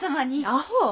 アホ！